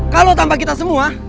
kalau tanpa kita semua